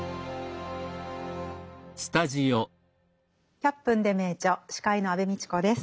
「１００分ｄｅ名著」司会の安部みちこです。